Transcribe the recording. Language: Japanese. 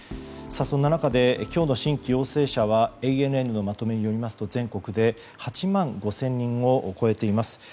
そんな中で、今日の新規陽性者はＡＮＮのまとめによりますと全国で８万５０００人を超えています。